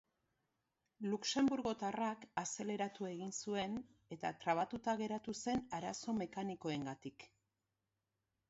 Luxenburgotarrak azeleratu egin zuen eta trabatuta geratu zen arazo mekanikoengatik.